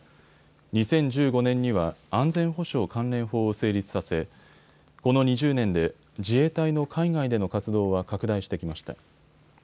２０１５年には安全保障関連法を成立させこの２０年で自衛隊の海外での活動は拡大してきました。